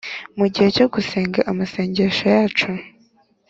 Mugihe cyogusenga amasengesho yacu